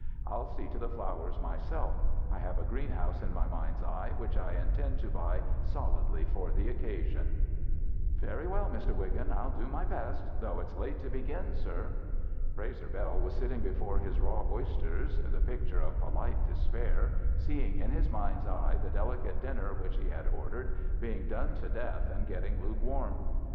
I'll see to the flowers myself ; I have a greenhouse in my mind's eye which I intend to buy solidly for the occasion." "Very well, Mr. Wiggin, I'll do my best, though it's late to begin, sir." Frazer Bell was sitting before his raw oys ters the picture of polite despair, seeing in his mind's eye the delicate dinner which he had ordered being done to death and getting lukewarm.